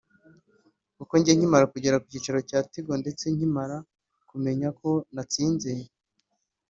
kuko njye nkimara kugera ku cyicaro cya Tigo ndetse nkimara kumenya ko natsinze